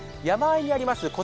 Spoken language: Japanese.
山あいにあります